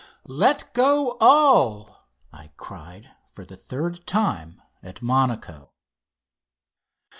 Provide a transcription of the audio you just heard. "Let go all!" I cried, for the third time at Monaco.